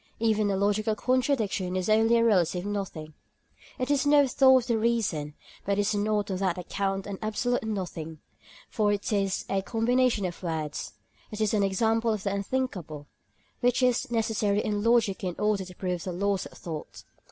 Even a logical contradiction is only a relative nothing. It is no thought of the reason, but it is not on that account an absolute nothing; for it is a combination of words; it is an example of the unthinkable, which is necessary in logic in order to prove the laws of thought.